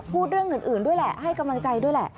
พูดเรื่องอื่นด้วยแหละให้กำลังใจด้วยแหละ